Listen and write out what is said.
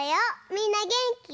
みんなげんき？